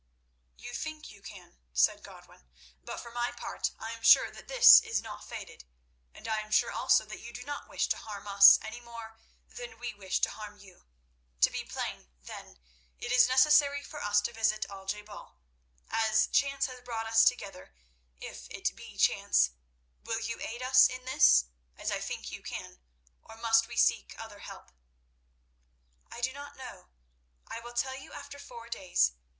"You think you can," said Godwin, "but for my part I am sure that this is not fated, and am sure also that you do not wish to harm us any more than we wish to harm you. To be plain, then, it is necessary for us to visit Al je bal. As chance has brought us together—if it be chance—will you aid us in this, as I think you can, or must we seek other help?" "I do not know. I will tell you after four days.